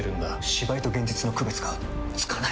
芝居と現実の区別がつかない！